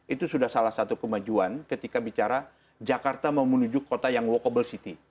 itu sudah salah satu kemajuan ketika bicara jakarta mau menuju kota yang wacable city